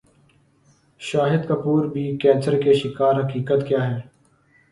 شاہد کپور بھی کینسر کے شکار حقیقت کیا ہے